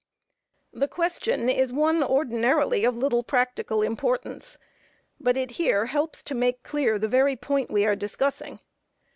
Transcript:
The question is one ordinarily of little practical importance, but it here helps to make clear the very point we are discussing.